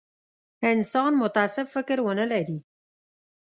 انسان متعصب فکر ونه لري.